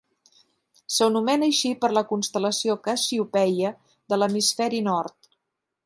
S'anomena així per la constel·lació Cassiopeia de l'hemisferi nord.